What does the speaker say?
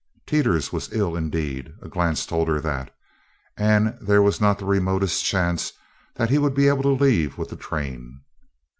Teeters was ill indeed a glance told her that and there was not the remotest chance that he would be able to leave with the train.